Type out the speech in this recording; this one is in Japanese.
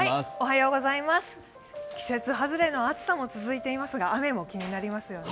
季節外れの暑さも続いていますが、雨も気になりますよね。